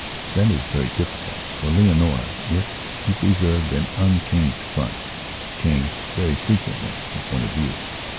That is very difficult. For Leonora, if she preserved an unchanged front, changed very frequently her point of view.